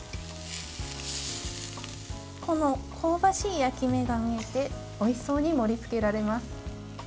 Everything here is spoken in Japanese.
この香ばしい焼き目が見えておいしそうに盛りつけられます。